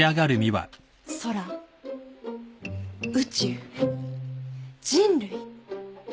空宇宙人類。